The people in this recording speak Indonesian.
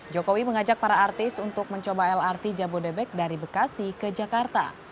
jokowi mengajak para artis untuk mencoba lrt jabodebek dari bekasi ke jakarta